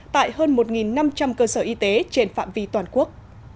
tại hơn một năm trăm linh cơ sở y tế trên phạm vi toàn quốc